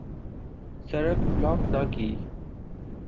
سڑک بلاک نہ کی۔